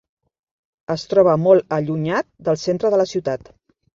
Es troba molt allunyat del centre de la ciutat.